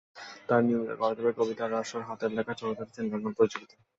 তখন নিয়মিত করা যাবে কবিতার আসর, হাতের লেখা, ছোটদের চিত্রাঙ্কন প্রতিযোগিতা।